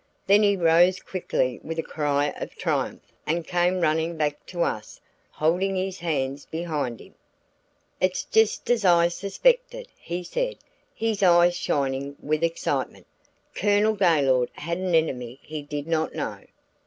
Then he rose quickly with a cry of triumph and came running back to us holding his hands behind him. "It's just as I suspected," he said, his eyes shining with excitement. "Colonel Gaylord had an enemy he did not know."